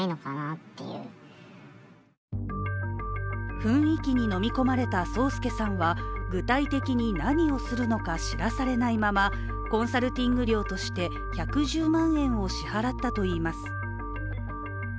雰囲気に飲み込まれた聡介さんは具体的に何をするのか知らされないままコンサルティング料として１１０万円を支払ったといいます。